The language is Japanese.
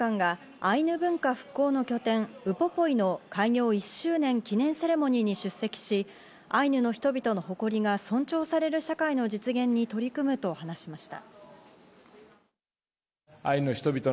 加藤官房長官がアイヌ文化復興の拠点、ウポポイの開業１周年記念セレモニーに出席し、アイヌの人々の誇りが尊重される社会の実現に取り組むと話しました。